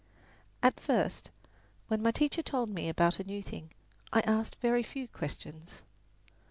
At first, when my teacher told me about a new thing I asked very few questions.